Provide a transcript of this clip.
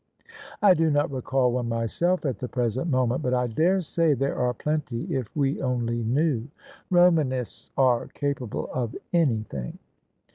" I do not recall one myself at the present moment: but I daresay there are plenty if we only knew. Romanists are capable of anything."